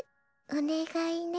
おねがいね。